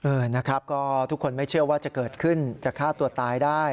เออนะครับก็ทุกคนไม่เชื่อว่าจะเกิดขึ้นจะฆ่าตัวตายได้